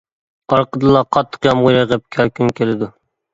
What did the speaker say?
ئارقىدىنلا قاتتىق يامغۇر يېغىپ، كەلكۈن كېلىدۇ.